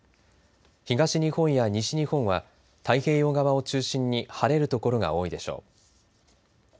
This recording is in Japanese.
東日本や西日本は太平洋側を中心に晴れる所が多いでしょう。